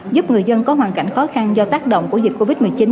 giúp người dân có hoàn cảnh khó khăn do tác động của dịch covid một mươi chín